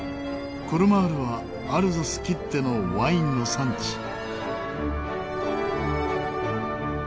コルマールはアルザスきってのワインの産地。